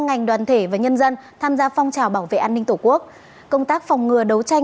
ngành đoàn thể và nhân dân tham gia phong trào bảo vệ an ninh tổ quốc công tác phòng ngừa đấu tranh